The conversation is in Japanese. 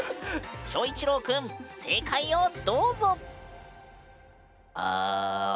翔一郎くん正解をどうぞ！